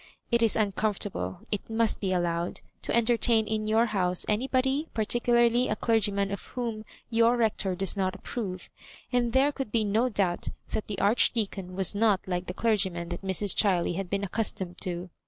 It is uncomfortable, it must be allowed, to entertain in your house anybo<iy, particularly a clergyman of whom your Rector does not approve; and there could be no doubt that the Archdeacon was not like the clergymen that Mrs. Chiley had been accustomed to.